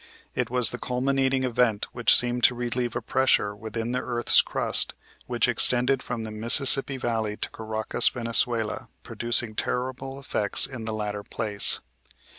It was the culminating event which seemed to relieve a pressure within the earth's crust which extended from the Mississippi Valley to Caracas, Venezuela, producing terrible effects in the latter place.